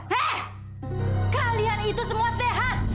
weh kalian itu semua sehat